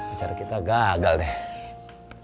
acara kita gagal deh